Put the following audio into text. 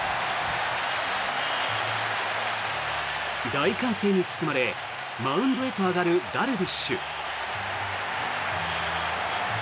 大歓声に包まれマウンドへと上がるダルビッシュ。